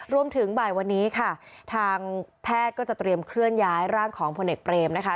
รวมถึงบ่ายวันนี้ค่ะทางแพทย์ก็จะเตรียมเคลื่อนย้ายร่างของพลเอกเปรมนะคะ